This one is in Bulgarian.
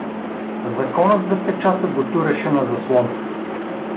Законът за печата го туряше на заслон.